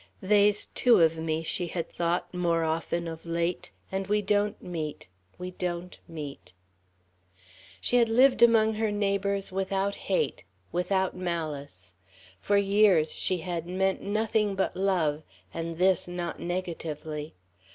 "They's two of me," she had thought more often of late "and we don't meet we don't meet." She lived among her neighbors without hate, without malice; for years she had "meant nothing but love" and this not negatively.